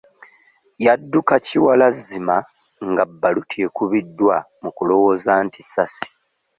Yadduka kiwalazzima nga bbaluti ekubiddwa mu kulowooza nti ssasi.